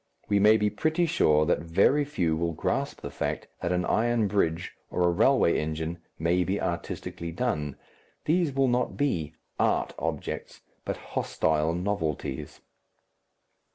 We may be pretty sure that very few will grasp the fact that an iron bridge or a railway engine may be artistically done these will not be "art" objects, but hostile novelties.